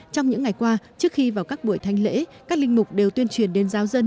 trong những ngày qua trước khi vào các buổi thanh lễ các linh mục đều tuyên truyền đến giáo dân